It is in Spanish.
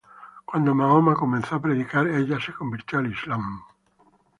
Cuando Mahoma comenzó a predicar, ella se convirtió al Islam.